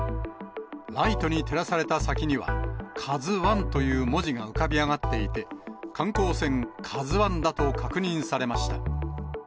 ライトに照らされた先には、カズワンという文字が浮かび上がっていて、観光船、カズワンだと確認されました。